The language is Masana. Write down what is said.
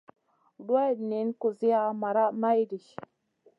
Duwayda niyn kusiya maraʼha maydi.